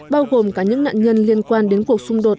bao gồm cả những nạn nhân liên quan đến cuộc xung đột ở ukraine